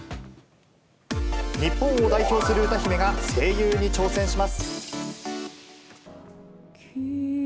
日本を代表する歌姫が声優に挑戦します。